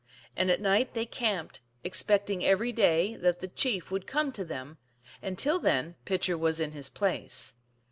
And at night they camped, expecting every day that the chief would come to them, and till then Pitcher was in his place.